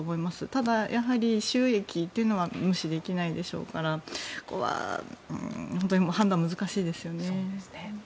ただ、収益というのは無視できないでしょうからここは本当に判断が難しいですよね。